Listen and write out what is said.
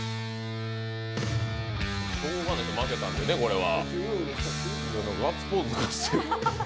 しょうがないですね、負けたんですから、これは。